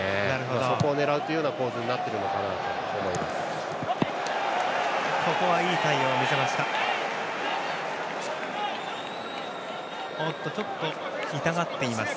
そこを狙うという構図になっているのかなと思います。